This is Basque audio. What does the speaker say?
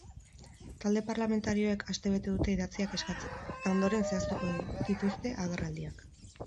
Talde parlamentarioek astebete dute idatziak eskatzeko, eta ondoren zehaztuko dituzte agerraldiak.